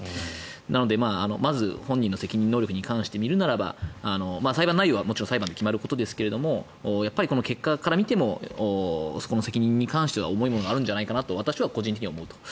なのでまず、本人の責任能力に関して見るなら裁判内容はもちろん裁判で決まることですが結果から見てもそこの責任に関しては重いものがあるんじゃないかなと私個人的には思うと。